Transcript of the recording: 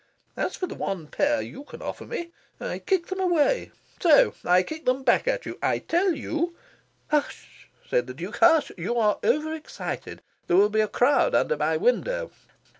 As for the one pair you can offer me, I kick them away so. I kick them back at you. I tell you " "Hush," said the Duke, "hush! You are over excited. There will be a crowd under my window.